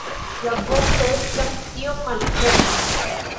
La vosto estas iom malhela.